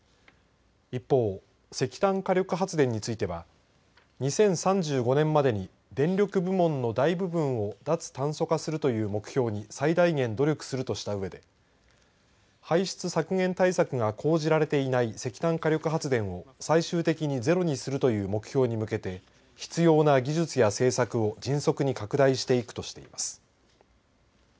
一方、石炭火力発電については２０３５年までに電力部門の大部分を脱炭素化するという目標に最大限努力するとしたうえで排出削減対策が講じられていない石炭火力発電を最終的にゼロにするという目標に向けて必要な技術や政策を、迅速に拡大していくとしています。